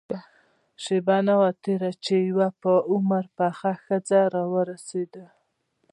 شېبه نه وه تېره چې يوه په عمر پخه ښځه راورسېده.